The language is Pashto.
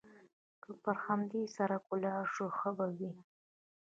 که پر همدې سړک ولاړ شو، ښه به وي.